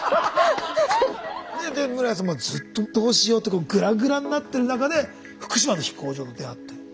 で室屋さんずっとどうしようとかグラグラになってる中で福島の飛行場と出会って。